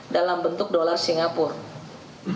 dalam bentuk dolar singapura